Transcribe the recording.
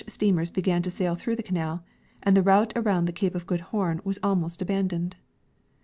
steamers began to sail through the canal, and the route around the cape of Good Hope was almost abandoned.